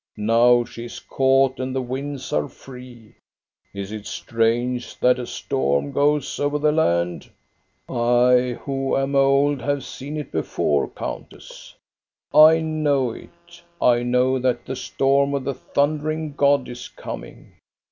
Now she is caught and the winds are free. Is it strange that a storm goes over the land ?" I, who am old, have seen it before, countess. I know it. I know that the storm of the thundering God is coming.